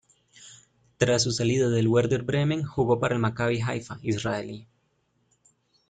Tras su salida del Werder Bremen, jugó para el Maccabi Haifa israelí.